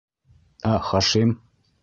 Ә Хашим?..